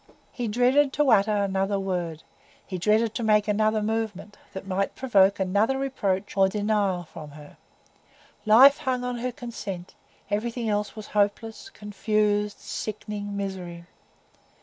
He dreaded to utter another word, he dreaded to make another movement, that might provoke another reproach or denial from her. Life hung on her consent; everything else was hopeless, confused, sickening misery.